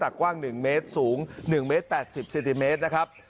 กว้าง๑เมตรสูง๑เมตร๘๐เซนติเมตรนะครับ